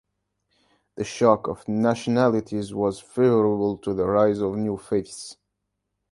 The shock of nationalities was favorable to the rise of new faiths.